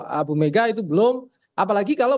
dan bumega itu belum apalagi kalau